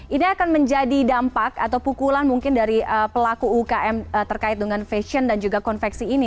ini akan menjadi dampak atau pukulan mungkin dari pelaku ukm terkait dengan fashion dan juga konveksi ini